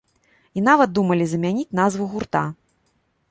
І нават думалі замяніць назву гурта.